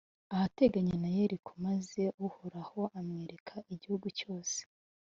ahateganye na yeriko; maze uhoraho amwereka igihugu cyose: